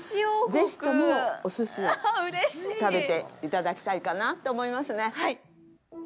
ぜひとも、おすしを食べていただきたいかなと思いますね。